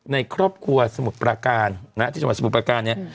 ในครอบครัวสมุทรประการที่จังหวัดสมุทรประการเนี่ย